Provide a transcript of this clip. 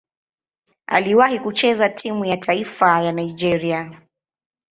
Aliwahi kucheza timu ya taifa ya Nigeria.